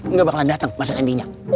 nggak bakalan dateng mas rendinya